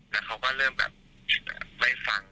แล้วเขาก็เริ่มแบบไม่ฟัง